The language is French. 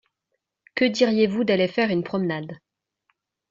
Que diriez-vous d’aller faire une promenade ?